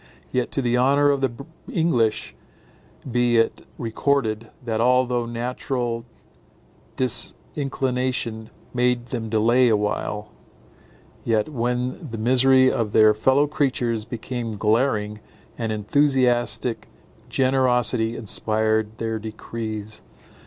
Yet, to the honour of the English be it recorded, that, although natural disinclination made them delay awhile, yet when the misery of their fellow creatures became glaring, an enthusiastic generosity inspired their decrees.